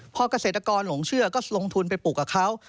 พอเกษตรกรหลงเชื่อก็ลงทุนไปปลูกกับเขา